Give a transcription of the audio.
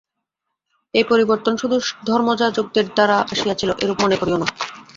এই পরিবর্তন শুধু ধর্মযাজকগণের দ্বারা আসিয়াছিল, এরূপ মনে করিও না।